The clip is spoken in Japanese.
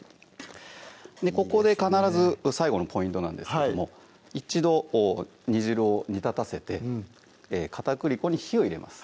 ここで必ず最後のポイントなんですけども一度煮汁を煮立たせて片栗粉に火を入れます